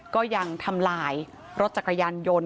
ก็ยังทำลายรถจักรยานยนต์